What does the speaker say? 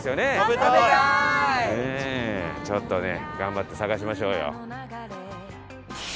ちょっとね頑張って探しましょうよ。